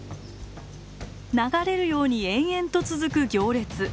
流れるように延々と続く行列。